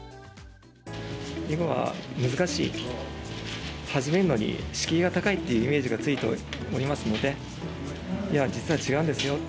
「囲碁は難しい」と「始めるのに敷居が高い」っていうイメージがついておりますので「いや実は違うんですよ。